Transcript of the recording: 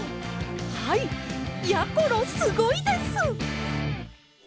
はいやころすごいです！